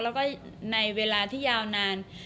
แล้วก็ในเวลาที่ยาวนาน